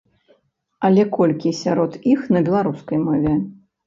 Але колькі сярод іх на беларускай мове?